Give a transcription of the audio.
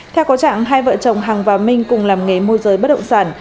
theo có trạng hai vợ chồng hằng và minh cùng làm nghề môi giới bất động sản